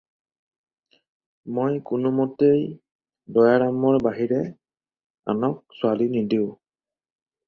মই কোনোমতেই দয়াৰামৰ বাহিৰে আনক ছোৱালী নিদিওঁ।